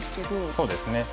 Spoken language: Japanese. そうですね。